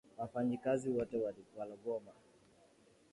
Wafanyikazi wote walogoma